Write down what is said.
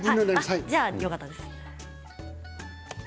じゃあ、よかったです。